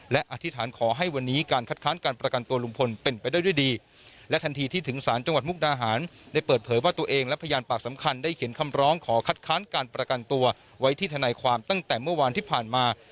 และอธิษฐานขอให้วันนี้การคัดค้านการประกันตัวลุงพลเป็นไปได้ด้วยดีและทันทีที่ถึงสารจังหวัดมุกดาหารได้เปิดเผยว่าตัวเองและพยานปากสำคัญได้เขียนคำร้องขอคัดค้านการประกันตัวไว้ที่ทนายความตั้งแต่เมื่อวานที่ผ่านมา